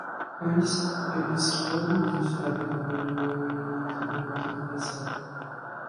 Antes, eu disse que todos os estados da União haviam admitido o voto universal.